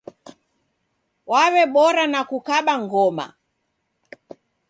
Waw'ebora na kukaba ngoma.